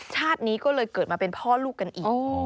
ชาตินี้ก็เลยเกิดมาเป็นพ่อลูกกันอีก